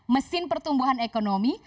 mesin pertumbuhan ekonomi